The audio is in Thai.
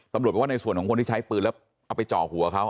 ตำรวจบอกว่าในส่วนของคนที่ใช้ปืนแล้วเอาไปเจาะหัวเขา